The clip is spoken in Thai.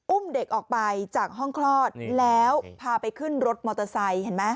อุ้มเด็กออกไปจากห้องคลอดแล้วพาไปขึ้นรถมอเตอร์ไซค์เห็นไหม